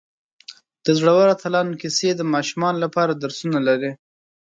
د زړورو اتلانو کیسې د ماشومانو لپاره درسونه لري.